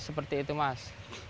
seperti itu mas